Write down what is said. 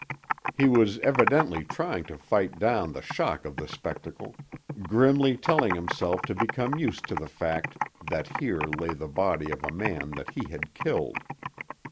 He was evidently trying to fight down the shock of the spectacle, grimly telling himself to become used to the fact that here lay the body of a man that he had killed.